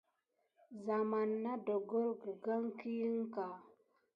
Zamane nà ɗongole gəlgane kiyan kā.